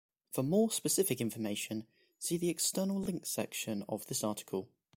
For more specific information, see the External Links section of this article.